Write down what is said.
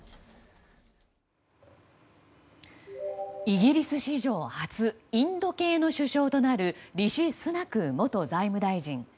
イギリス史上初インド系の首相となるリシ・スナク元財務大臣。